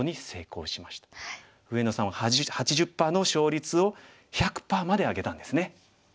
上野さんは８０％の勝率を１００％まで上げたんですね。